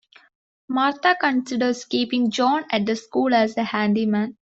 Martha considers keeping John at the school as a handyman.